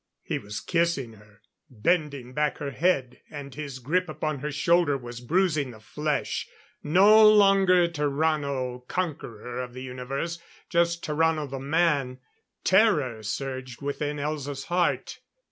He was kissing her, bending back her head, and his grip upon her shoulder was bruising the flesh. No longer Tarrano, Conqueror of the universe, just Tarrano the man. Terror surged within Elza's heart.